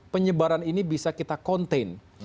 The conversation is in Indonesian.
penyebaran ini bisa kita contain